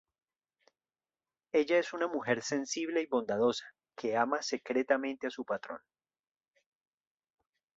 Ella es una mujer sensible y bondadosa, que ama secretamente a su patrón.